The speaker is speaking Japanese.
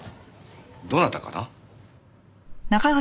どなたかな？